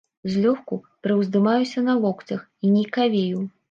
Злёгку прыўздымаюся на локцях і ніякавею.